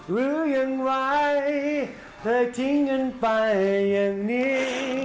หรือยังไหวอาทิตย์เงินไปอย่างนี้